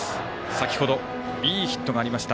先ほど、いいヒットがありました。